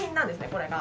これが。